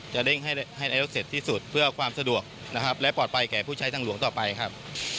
เร่งให้แล้วเสร็จที่สุดเพื่อความสะดวกนะครับและปลอดภัยแก่ผู้ใช้ทางหลวงต่อไปครับ